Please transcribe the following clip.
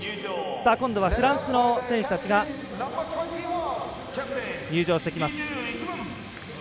今度はフランスの選手たちが入場してきます。